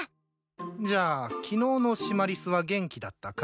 じゃあ昨日のシマリスは元気だったかい？